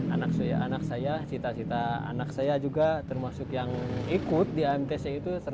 anak saya cita cita anak saya juga termasuk yang ikut di amtc itu